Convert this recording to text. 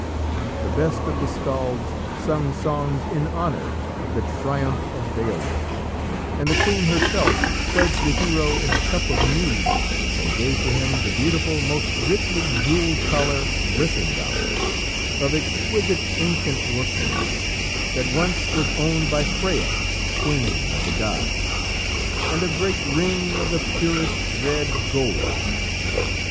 The best of the scalds sung songs in honour of the triumph of Beowulf, and the queen herself pledged the hero in a cup of mead and gave to him the beautiful most richly jewelled collar Brisingamen, of exquisite ancient workmanship, that once was owned by Freya, queen of the gods, and a great ring of the purest red gold.